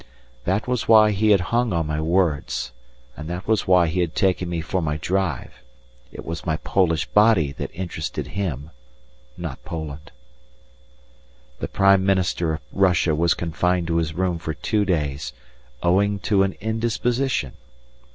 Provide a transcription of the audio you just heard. That was why he had hung on my words, that was why he had taken me for my drive; it was my Polish body that interested him not Poland. The Prime Minister of Russia was confined to his room for two days, "owing to an indisposition."